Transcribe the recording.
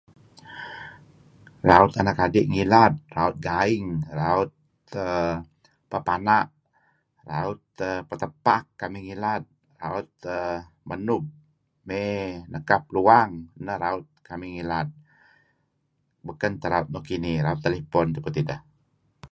Raut anak adi' ngilad raut gaing, raut pepana', raut petapak, kamih ngilad. Raut menub may nekap luang nah raut kamih ngilad. Baken teh raut anak nuk kinih, raut telepon tupu tideh.